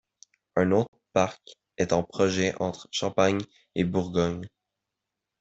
Un autre parc est en projet entre Champagne et Bourgogne.